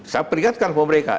saya perhatikan untuk mereka